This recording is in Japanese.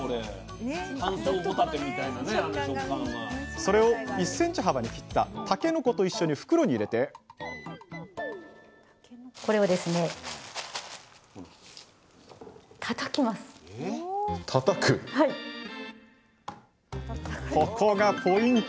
それを１ｃｍ幅に切ったタケノコと一緒に袋に入れてここがポイント！